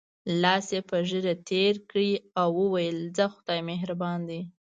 لاس یې په ږیره تېر کړ او وویل: ځه خدای مهربان دی.